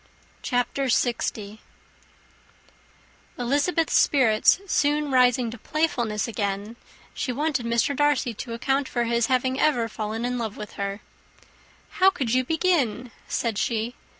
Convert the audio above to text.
_]] CHAPTER LX. Elizabeth's spirits soon rising to playfulness again, she wanted Mr. Darcy to account for his having ever fallen in love with her. "How could you begin?" said she.